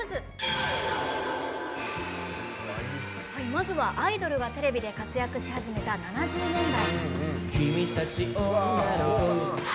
まずはアイドルがテレビで活躍し始めた７０年代。